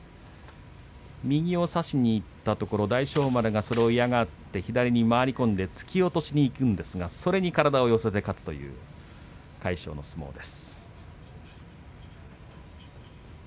右を差しにいったところ大翔丸がそれを嫌がって左に回り込んで突き落としにいきますがそれに体を寄せて勝つという魁勝の相撲です。